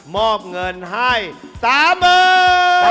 มอบเงินให้๓หมื่น